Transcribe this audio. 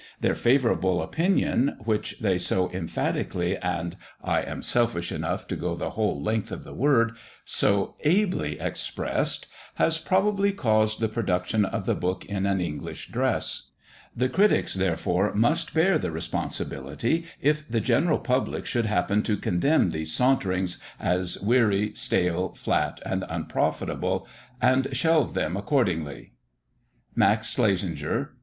Their favourable opinion, which they so emphatically and I am selfish enough to go the whole length of the word so ably expressed, has probably caused the production of the book in an English dress. The critics, therefore, must bear the responsibility, if the general public should happen to condemn these "Saunterings," as "weary, stale, flat, and unprofitable," and shelve them accordingly. MAX SCHLESINGER.